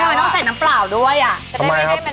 ทำไมต้องใส่น้ำเปล่าด้วยอะยังไม่สูที่ไม่เห็น